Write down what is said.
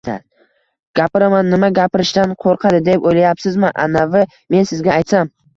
– Gapiraman! Nima, gapirishdan qo‘rqadi deb o‘ylayapsizmi? Anavi-i… Men sizga aytsam…